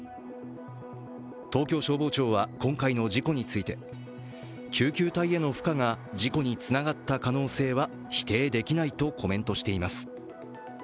東京消防庁は、今回の事故について救急隊への負荷が事故につながった可能性は否定できないとコメントしています。